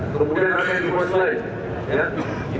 kemudian ada yang diperlukan